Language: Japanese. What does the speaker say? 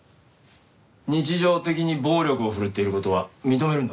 日常的に暴力を振るっている事は認めるんだね？